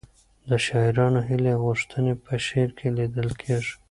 د شاعرانو هیلې او غوښتنې په شعر کې لیدل کېږي.